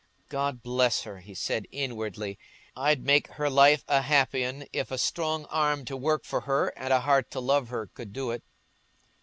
"God bless her!" he said inwardly; "I'd make her life a happy 'un, if a strong arm to work for her, and a heart to love her, could do it."